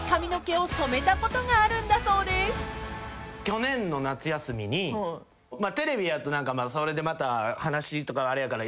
去年の夏休みにテレビやと話とかあれやから。